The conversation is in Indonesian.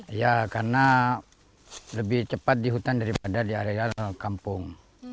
iya karena lebih cepat di hutan daripada di area kampung